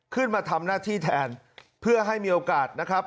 ขึ้นมาทำหน้าที่แทนเพื่อให้มีโอกาสนะครับ